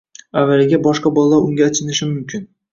Avvaliga boshqa bolalar unga achinishi mumkin